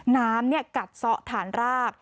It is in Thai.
น้ำกัดซ้อฐานราก